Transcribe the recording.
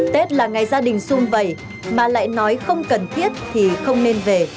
tết là ngày gia đình xung vầy mà lại nói không cần thiết thì không nên về